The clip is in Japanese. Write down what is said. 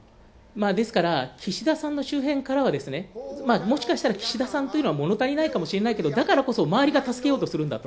ですから、岸田さんの周辺からは、もしかしたら岸田さんというのはもの足りないかもしれないけど、だからこそ周りが助けようとするんだと。